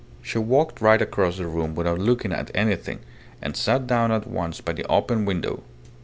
She walked right across the room without looking at anything, and sat down at once by the open window.